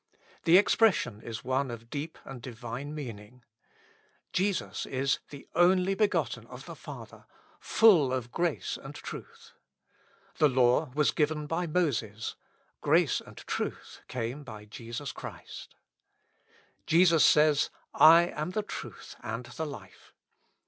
The expression is one of deep and Divine meaning. Jesus is " the only begot ten of the Father, full of grace and truth.^^ "The law was given by Moses ; grace and truth came by Jesus Christ." Jesus says, ''lam the truth and the life."